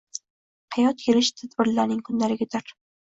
Hayot kelish tadbirlarining kundaligidir.